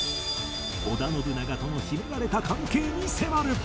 織田信長との秘められた関係に迫る！